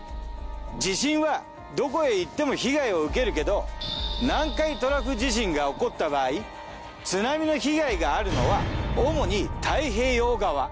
地震はどこへ行っても被害を受けるけど南海トラフ地震が起こった場合津波の被害があるのは主に太平洋側。